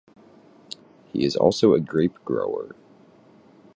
He is also a grapegrower.